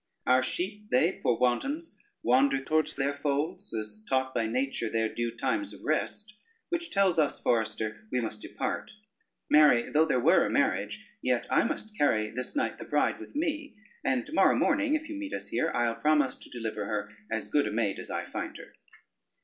Our sheep, they poor wantons, wander towards their folds, as taught by nature their due times of rest, which tells us, forester, we must depart. Marry, though there were a marriage, yet I must carry this night the bride with me, and to morrow morning if you meet us here, I'll promise to deliver you her as good a maid as I find her."